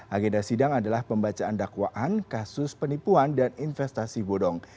agenda sidang adalah pembacaan dakwaan kasus penipuan dan investasi bodong